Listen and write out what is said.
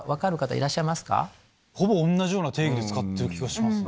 ほぼ同じような定義で使ってる気がしますね。